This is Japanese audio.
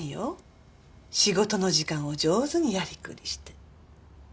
仕事の時間を上手にやりくりして。